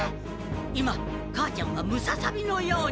今母ちゃんはムササビのように。